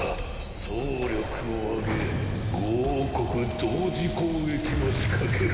総力を挙げ５王国同時攻撃を仕掛ける。